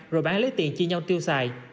rồi bán lấy tiền chi nhau tiêu xài